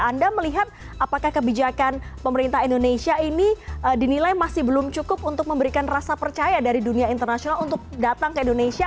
anda melihat apakah kebijakan pemerintah indonesia ini dinilai masih belum cukup untuk memberikan rasa percaya dari dunia internasional untuk datang ke indonesia